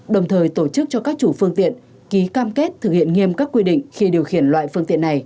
đồng thời tổ chức cho các chủ phương tiện ký cam kết thực hiện nghiêm các quy định khi điều khiển loại phương tiện này